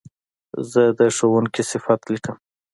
زه د ښوونکي صفت لیکم.